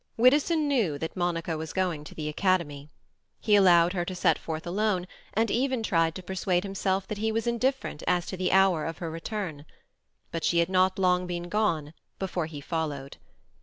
Widdowson knew that Monica was going to the Academy. He allowed her to set forth alone, and even tried to persuade himself that he was indifferent as to the hour of her return; but she had not long been gone before he followed.